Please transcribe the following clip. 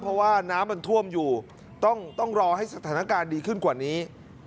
เพราะว่าน้ำมันท่วมอยู่ต้องรอให้สถานการณ์ดีขึ้นกว่านี้